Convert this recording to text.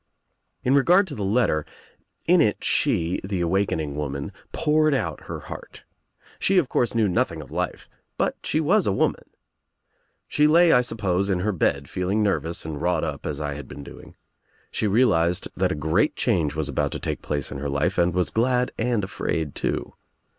"In regard to the letter. In It she, the awakening woman, poured out her heart. She of course knew nothing of life, but she was a woman. She lay, I sup pose, in her bed feeling nervous and wrought up as I had been doing. She realized that a great change was about to take place in her life and was glad and afraid too.